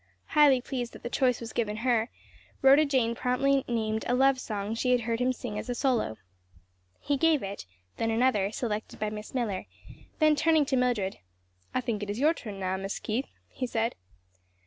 Highly pleased that the choice was given her, Rhoda Jane promptly named a love song she had heard him sing as a solo. He gave it, then another, selected by Miss Miller, then turning to Mildred, "I think it is your turn now, Miss Keith," he said.